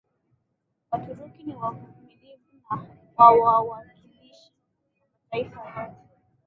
Waturuki ni wavumilivu wa wawakilishi wa mataifa yote